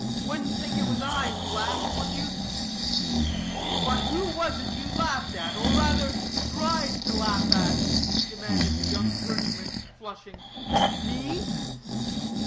"Wouldn't think it was I who laughed would you?" "But who was it you laughed at? or rather, tried to laugh at?" demanded the young clergyman, flushing, "me?"